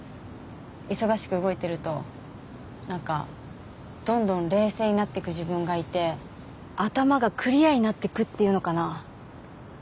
忙しく動いてるとなんかどんどん冷静になっていく自分がいて頭がクリアになってくっていうのかな？